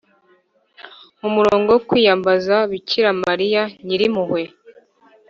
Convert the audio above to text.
mu murongo wo kwiyambaza Bikira Mariya nyiri mpuhwe